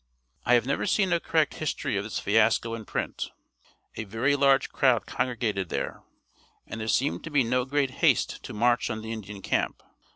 I have never seen a correct history of this fiasco in print. A very large crowd congregated there, and there seemed to be no great haste to march on the Indian camp.